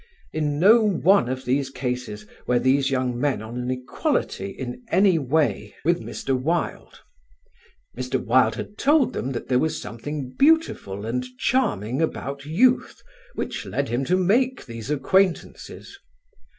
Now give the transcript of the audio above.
In no one of these cases were these young men on an equality in any way with Mr. Wilde. Mr. Wilde had told them that there was something beautiful and charming about youth which led him to make these acquaintances.